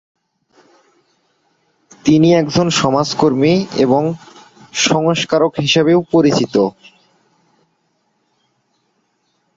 তিনি একজন সমাজকর্মী এবং সংস্কারক হিসেবেও পরিচিত।